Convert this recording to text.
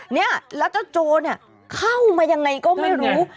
เนี่ยแล้วเจ้าโจรเข้ามายังไงก็ไม่รู้